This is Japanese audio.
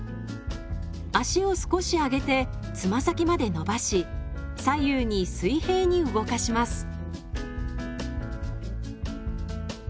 足を少し上げてつま先まで伸ばし左右に水平に動かします。